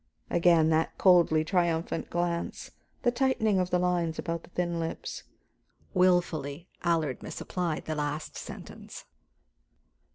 Again that coldly triumphant glance, the tightening of the lines about the thin lips. Wilfully Allard misapplied the last sentence.